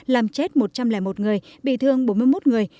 làm chết một trăm linh một người bị thương bốn mươi một người